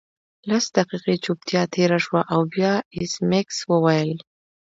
لس دقیقې چوپتیا تیره شوه او بیا ایس میکس وویل